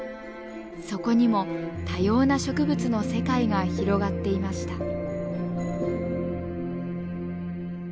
そこにも多様な植物の世界が広がっていました。